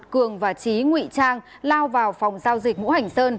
cường và trí nguyễn trang lao vào phòng giao dịch vũ hành sơn